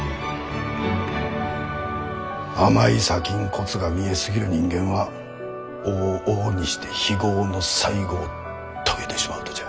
あまい先んこつが見え過ぎる人間は往々にして非業の最期を遂げてしまうとじゃ。